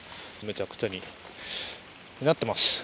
めちゃくちゃになっています。